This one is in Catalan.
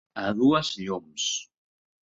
A dues llums.